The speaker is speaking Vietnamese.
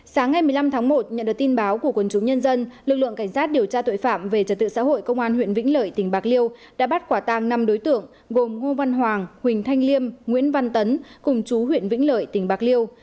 sáng ngày một mươi năm tháng một nhận được tin báo của quân chúng nhân dân lực lượng cảnh sát điều tra tội phạm về trật tự xã hội công an huyện vĩnh lợi tỉnh bạc liêu đã bắt quả tang năm đối tượng gồm ngô văn hoàng huỳnh thanh liêm nguyễn văn tấn cùng chú huyện vĩnh lợi tỉnh bạc liêu